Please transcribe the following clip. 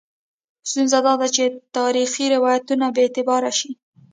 ستونزه دا ده چې تاریخي روایتونه بې اعتباره شي.